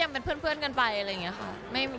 เป็นเพื่อนกันไปอะไรอย่างนี้ค่ะ